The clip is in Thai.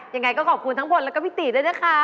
ยังไงก็ขอบคุณทั้งบนแล้วก็พี่ตีด้วยนะคะ